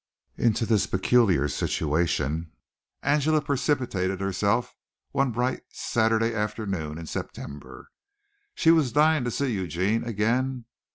Into this peculiar situation Angela precipitated herself one bright Saturday afternoon in September. She was dying to see Eugene again.